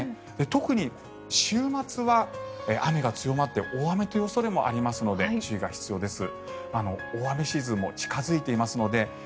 特に週末は雨が強まって大雨という恐れもありますので注意が必要です。